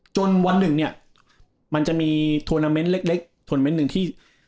วันหนึ่งเนี่ยมันจะมีทวนาเมนต์เล็กทวเมนต์หนึ่งที่